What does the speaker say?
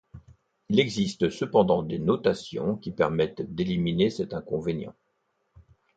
Il existe cependant des notations qui permettent d'éliminer cet inconvénient.